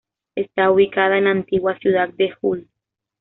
Está ubicada en la antigua ciudad de Hull.